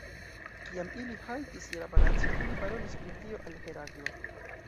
Kiam ili haltis je la palaco, ili parolis pri tio al Heraklo.